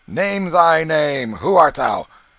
Name thy name. Who art thou?"